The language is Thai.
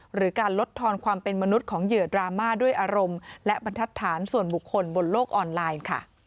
หรือการลดทอนความเป็นมนุษย์ของเหยื่อดราม่าด้วยอารมณ์และบรรทัศน์ส่วนบุคคลบนโลกออนไลน์ค่ะ